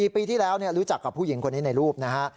ปีที่แล้วรู้จักกับผู้หญิงคนนี้ในรูปนะฮะ